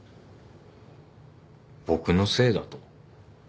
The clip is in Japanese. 僕のせいだと？